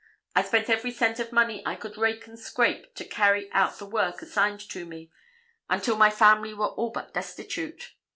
I spent every cent of money I could rake and scrape to carry out the work assigned to me, until my family were all but destitute.